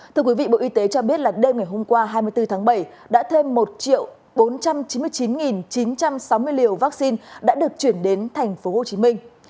thưa quý vị bộ y tế cho biết là đêm ngày hôm qua hai mươi bốn tháng bảy đã thêm một bốn trăm chín mươi chín chín trăm sáu mươi liều vaccine đã được chuyển đến tp hcm